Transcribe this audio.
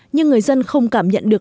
nhưng người dân không cảm nhận được